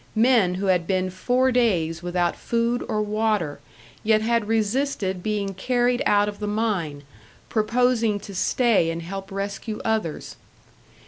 Men who had been four days without food or water, yet had resisted being carried out of the mine, proposing to stay and help rescue others!